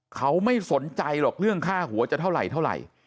เขาไม่สนใจหรอกเรื่องค่าหัวจะเท่าไหร่เท่าไหร่